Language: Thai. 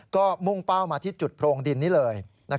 ก็มุ่งเป้ามาที่จุดโพรงดินนี้เลย